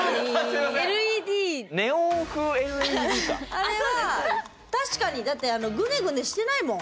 あれは確かにだってグネグネしてないもん